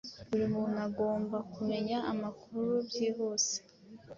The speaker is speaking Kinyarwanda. buri muntu agomba kumenya amakuru byihuse